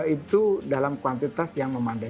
itu dalam kuantitas yang memandai